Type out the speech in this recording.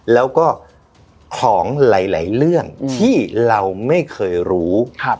แล้วก็ของหลายเรื่องที่เราไม่เคยรู้